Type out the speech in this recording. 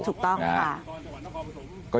ถูกต้อง